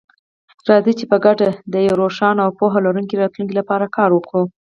راځئ چې په ګډه د یو روښانه او پوهه لرونکي راتلونکي لپاره کار وکړو.